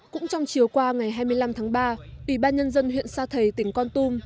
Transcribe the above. cũng trong chiều qua ngày hai mươi năm tháng ba ủy ban nhân dân huyện sa thầy tỉnh con tum